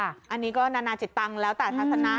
อันนี้ก็นานาจิตตังค์แล้วแต่ทัศนะ